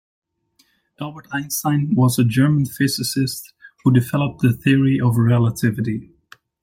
Albert Einstein was a German physicist who developed the Theory of Relativity.